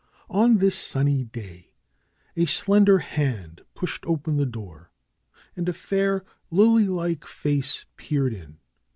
On this sunny day a slender hand pushed open the door, and a fair lily like face peered in.